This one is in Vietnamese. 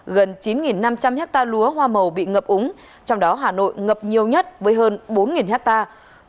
gần chín năm trăm linh hectare lúa hoa màu bị ngập úng trong đó hà nội ngập nhiều nhất với hơn bốn hectare